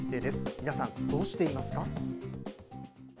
皆さん、どうしていますか？